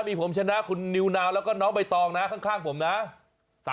มีผมชนะคุณนิวนาวแล้วก็น้องใบตองนะข้างผมนะ